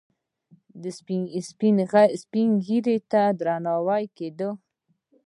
سپین ږیرو ته درناوی کیده